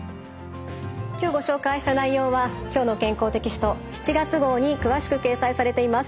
今日ご紹介した内容は「きょうの健康」テキスト７月号に詳しく掲載されています。